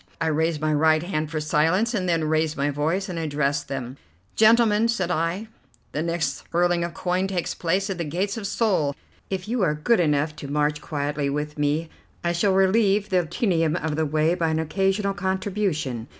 I raised my right hand for silence, and then raised my voice and addressed them: "Gentlemen," said I, "the next hurling of coin takes place at the gates of Seoul. If you are good enough to march quietly with me, I shall relieve the tedium of the way by an occasional contribution.